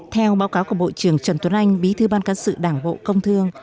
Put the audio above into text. theo báo cáo của bộ trưởng trần tuấn anh bí thư ban cán sự đảng bộ công thương